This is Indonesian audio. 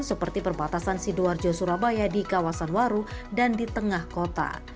seperti perbatasan sidoarjo surabaya di kawasan waru dan di tengah kota